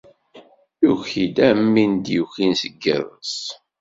Yuki-d am win i d-yukin seg yiḍes.